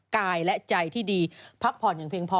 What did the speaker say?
กายและใจที่ดีพักผ่อนอย่างเพียงพอ